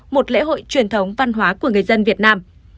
một lễ hội truyền thống văn hóa của người dân việt nam